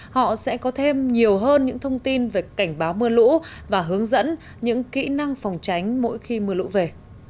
họ sẽ có thêm nhiều hơn những thông tin về cảnh báo mưa lũ và hướng dẫn những kỹ năng phòng tránh mỗi khi mưa lũ về